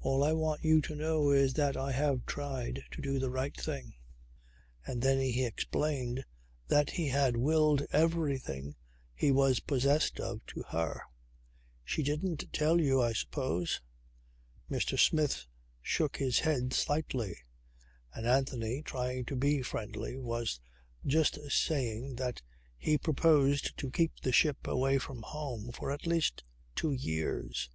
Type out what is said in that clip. All I want you to know is that I have tried to do the right thing." And then he explained that he had willed everything he was possessed of to her. "She didn't tell you, I suppose?" Mr. Smith shook his head slightly. And Anthony, trying to be friendly, was just saying that he proposed to keep the ship away from home for at least two years.